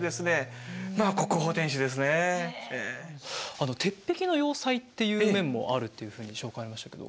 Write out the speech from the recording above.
あの鉄壁の要塞っていう面もあるっていうふうに紹介ありましたけど。